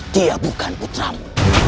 dia bukan putramu